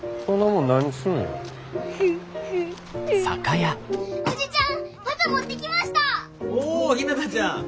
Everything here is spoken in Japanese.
おじちゃん！